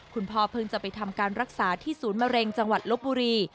เพิ่งจะไปทำการรักษาที่ศูนย์มะเร็งจังหวัดลบบุรี